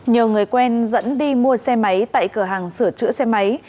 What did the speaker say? nhờ người quen dẫn đi mua xe máy tại cửa hàng sửa chữa xe máy